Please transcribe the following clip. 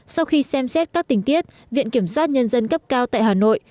sau khi xem xét các tình tiết viện kiểm sát nhân dân cấp cao tại hà nội